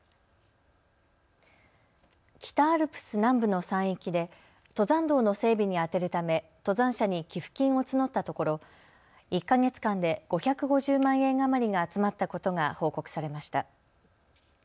北アルプス南部の山域で登山道の整備に充てるため登山者に寄付金を募ったところ１か月間で５５０万円余りが集まったことが報告されました。